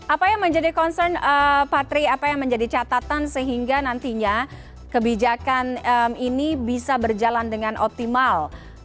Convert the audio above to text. apa yang menjadi concern patri apa yang menjadi catatan sehingga nantinya kebijakan ini bisa berjalan dengan optimal